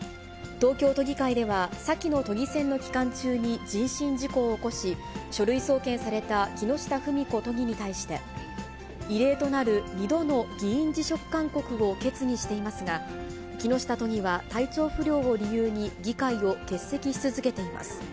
東京都議会では、先の都議選の期間中に人身事故を起こし、書類送検された木下富美子都議に対して、異例となる２度の議員辞職勧告を決議していますが、木下都議は体調不良を理由に、議会を欠席し続けています。